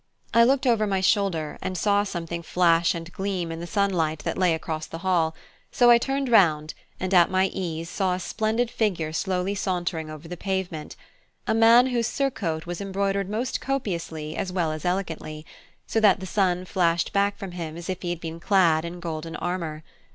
I looked over my shoulder, and saw something flash and gleam in the sunlight that lay across the hall; so I turned round, and at my ease saw a splendid figure slowly sauntering over the pavement; a man whose surcoat was embroidered most copiously as well as elegantly, so that the sun flashed back from him as if he had been clad in golden armour.